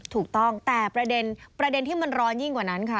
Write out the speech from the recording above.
ถูกต้องแต่ประเด็นที่มันร้อนยิ่งกว่านั้นค่ะ